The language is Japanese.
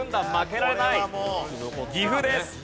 岐阜です。